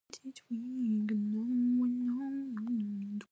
He also wrote some historical works about Swedish history.